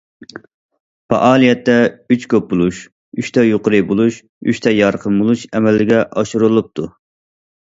پائالىيەتتە‹‹ ئۈچ كۆپ بولۇش، ئۈچتە يۇقىرى بولۇش، ئۈچتە يارقىن بولۇش›› ئەمەلگە ئاشۇرۇلۇپتۇ.